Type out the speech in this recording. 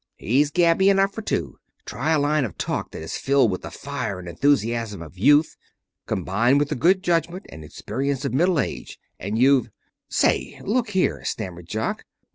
He's gabby enough for two. Try a line of talk that is filled with the fire and enthusiasm of youth, combined with the good judgment and experience of middle age, and you've " "Say, look here," stammered Jock.